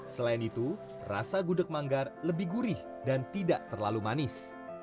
selain itu rasa gudeg manggar lebih gurih dan tidak terlalu manis